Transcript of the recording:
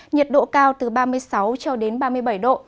nhiệt độ cao từ ba mươi sáu cho đến ba mươi bảy độ